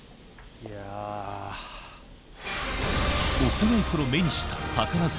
幼い頃目にした宝塚